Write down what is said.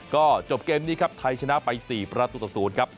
ก็จบเกมนี้ครับไทยชนะไป๔ประตูต่อ๐ครับ